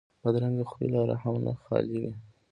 بدرنګه خوی له رحم نه خالي وي